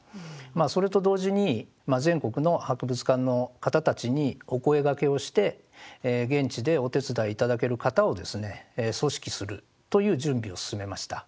まあそれと同時に全国の博物館の方たちにお声がけをして現地でお手伝い頂ける方をですね組織するという準備を進めました。